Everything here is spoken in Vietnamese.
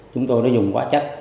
chúng tôi đã dùng quá trách